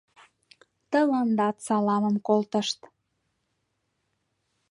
— Тыландат саламым колтышт.